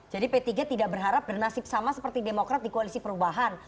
jadi p tiga tidak berharap bernasib sama seperti demokrat di koalisi perubahan